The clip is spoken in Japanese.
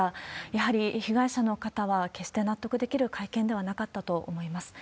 やはり被害者の方は決して納得できる会見ではなかったと思います。